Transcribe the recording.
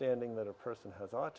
dan kita hanya akan meninggalkannya